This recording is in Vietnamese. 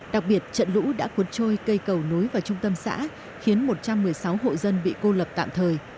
đặc biệt trận lũ đã cuốn trôi cây cầu nối vào trung tâm xã khiến một trăm một mươi sáu hộ dân bị cô lập tạm thời